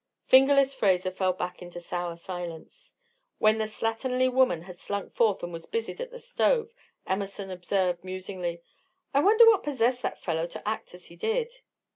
"Fingerless" Fraser fell back into sour silence. When the slatternly woman had slunk forth and was busied at the stove, Emerson observed, musingly: "I wonder what possessed that fellow to act as he did."